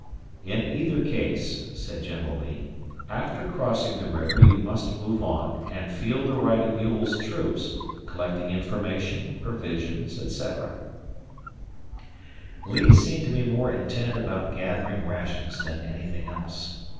"In either case," said General Lee, "after crossing the river you must move on and feel the right of Ewell's troops, collecting information, provisions, etc." Lee seemed to be more intent about gathering rations than anything else.